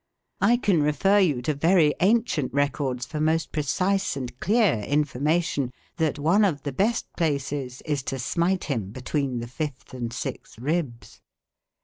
I can refer you to very ancient records for most precise and clear information that one of the best places is to smite him between the fifth and sixth ribs.